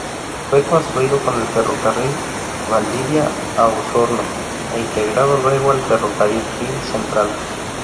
Fue construido con el Ferrocarril Valdivia a Osorno, e integrado luego al Ferrocarril Central.